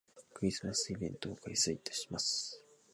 クリスマスイベントを開催いたします